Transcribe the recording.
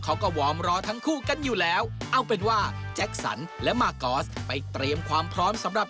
ขอบคุณครับ